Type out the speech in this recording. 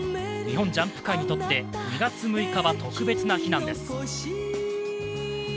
日本ジャンプ界にとって２月６日は特別な日なんです。